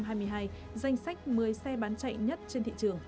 danh sách một mươi xe bán chạy nhất trên thị trường